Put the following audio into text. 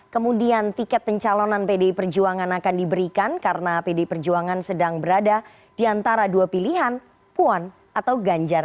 kemudian tiket pencalonan pdi perjuangan akan diberikan karena pdi perjuangan sedang berada di antara dua pilihan puan atau ganjar